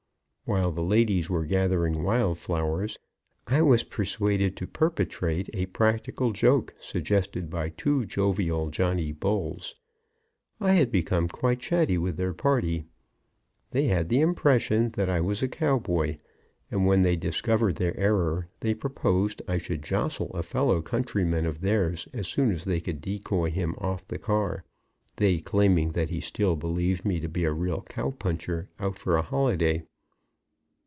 While the ladies were gathering wild flowers I was persuaded to perpetrate a practical joke suggested by two jovial Johnny Bulls. I had become quite chatty with their party. They had the impression that I was a cowboy, and when they discovered their error they proposed I should jostle a fellow countryman of theirs as soon as they could decoy him off the car, they claiming that he still believed me a real cow puncher out for a holiday.